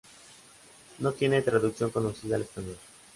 No tiene traducción conocida al español.